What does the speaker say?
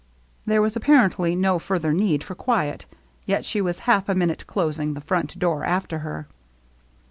There was apparently no further need for quiet, yet she was half a minute closing the front door after her.